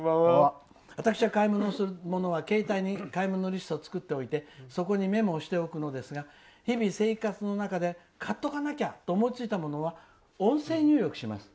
私は買い物するものは携帯に買い物リストを作っておいてそこにメモをしておくのですが日々、生活の中で買っとかなきゃと思うものは音声登録します」。